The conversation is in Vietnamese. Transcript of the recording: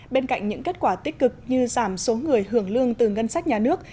bên cạnh những kết quả tích cực như giảm số người hưởng lương từ ngân sách nhà nước